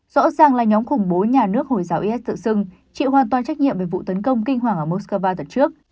rõ ràng là nhóm khủng bố nhà nước hồi giáo is tự xưng chịu hoàn toàn trách nhiệm về vụ tấn công kinh hoàng ở moscow tuần trước